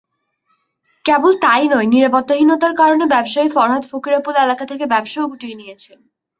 কেবল তা-ই নয়, নিরাপত্তাহীনতার কারণে ব্যবসায়ী ফরহাদ ফকিরাপুল এলাকা থেকে ব্যবসাও গুটিয়ে নিয়েছেন।